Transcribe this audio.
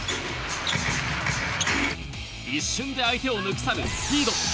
一瞬で相手を抜き去るスピード。